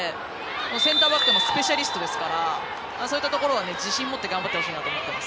センターバックのスペシャリストですからそういったところは自信持って頑張ってほしいなと思います。